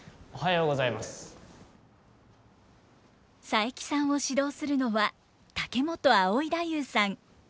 佐伯さんを指導するのは竹本葵太夫さん。